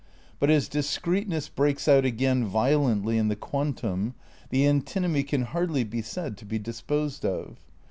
But as discreteness breaks out again violently in the Quantum, the antinomy can hardly be said to be disposed of.